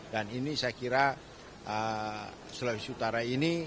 dan ini saya kira sulawesi utara ini